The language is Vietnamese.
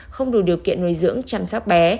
không đủ điều kiện nuôi dưỡng chăm sóc bé